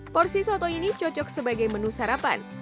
porsi soto ini cocok sebagai menu sarapan